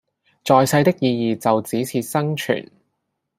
在世的意義就只是生存